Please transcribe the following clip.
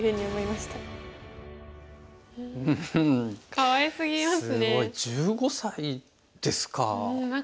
すごい１５才ですか。